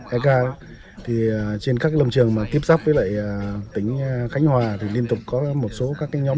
ek thì trên các lâm trường mà tiếp giáp với lại tỉnh khánh hòa thì liên tục có một số các nhóm